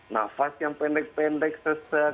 nafas yang pendek pendek sesek